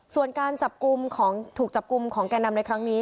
ส่วนการถูกจับกลุ่มของแก่นำในครั้งนี้